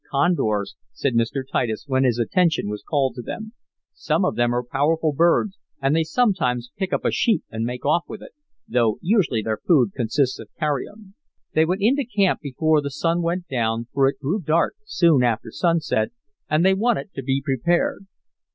"Condors," said Mr. Titus, when his attention was called to them. "Some of them are powerful birds, and they sometimes pick up a sheep and make off with it, though usually their food consists of carrion." They went into camp before the sun went down, for it grew dark soon after sunset, and they wanted to be prepared.